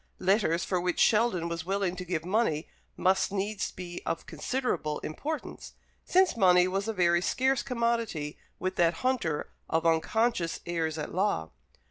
Letters for which Sheldon was willing to give money must needs be of considerable importance, since money was a very scarce commodity with that hunter of unconscious heirs at law.